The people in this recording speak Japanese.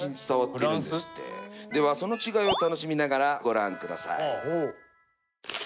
その違いを楽しみながらご覧下さい。